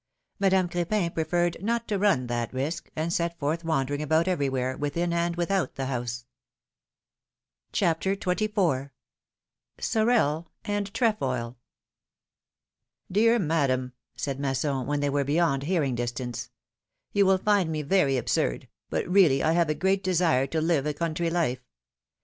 Madame Cr^pin preferred not to run that risk, and set forth wandering about everywhere, within and without the house. 184 PHILOMi:NE^S MARRIAGES, CHAPTER XXIV. SORREL AND TREFOIL. 'T^EAR Madame/^ said Masson, when they w^re beyond hearing distance, '^yoii will find me very absurd, but really 1 have a great desire to live a country life.